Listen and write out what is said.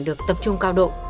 được tập trung cao độ